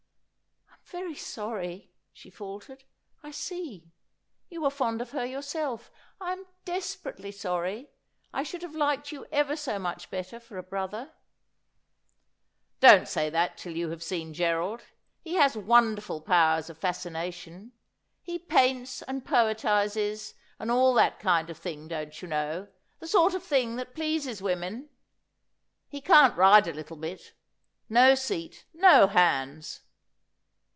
' I am very sorry,' she faltered. ' I see. You were fond of her yourself. I am desperately sorry. I should have liked you ever so much better for a brother.' ' Don't say that till you have seen Gerald. He has wonder ful powers of fascination. He paints and poetises, and all that kind of thing, don't you know ; the sort of thing that pleases women. He can't ride a little bit — no seat — no hands.'